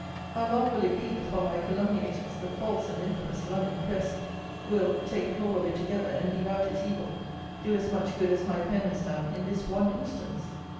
How long will it be before my calumniators, the false and infamous London press, will, take the whole of it together, and leave out its evil, do as much good as my pen has done in this one instance!